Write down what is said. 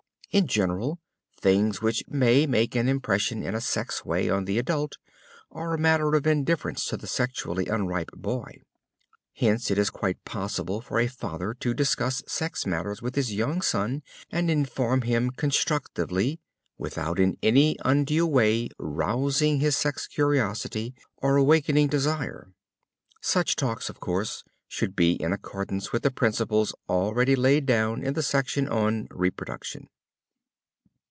In general, things which may make an impression in a sex way on the adult are a matter of indifference to the sexually unripe boy. Hence it is quite possible for a father to discuss sex matters with his young son and inform him constructively, without in any undue way rousing his sex curiosity or awakening desire. Such talks, of course, should be in accordance with the principles already laid down in the section on "Reproduction."